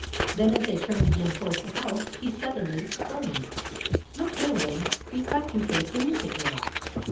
Then, as they turned again towards the house, he suddenly exclaimed, "Look here, Winnie. We've got to face the music now.